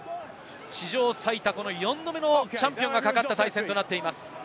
史上最多４度目のチャンピオンがかかった対戦となっています。